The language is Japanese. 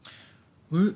「え？